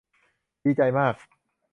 ดีใจมาก